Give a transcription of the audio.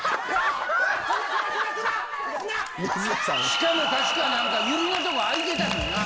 ・しかも確か何か指のとこ開いてたもんな。